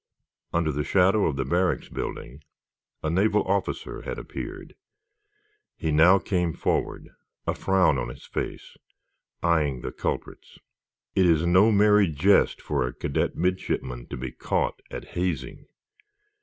Under the shadow of the barracks building a naval officer had appeared. He now came forward, a frown on his face, eyeing the culprits. It is no merry jest for cadet midshipmen to be caught at hazing!